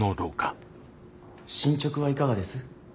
進捗はいかがです？